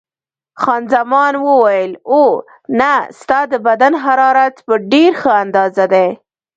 خان زمان وویل: اوه، نه، ستا د بدن حرارت په ډېره ښه اندازه دی.